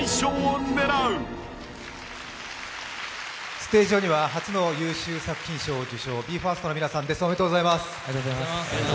ステージ上には初の優秀作品賞受賞ＢＥ：ＦＩＲＳＴの皆さんです、おめでとうございます。